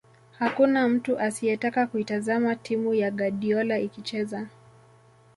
Hakuna mtu asiyetaka kuitazama timu ya Guardiola ikicheza